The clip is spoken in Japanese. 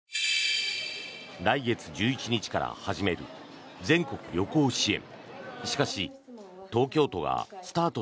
来月１１日から始める全国旅行支援。